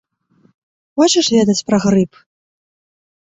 Хочаш ведаць пра грып?